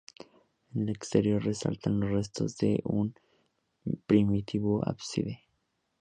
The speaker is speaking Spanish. En el exterior resaltan los restos de un primitivo ábside.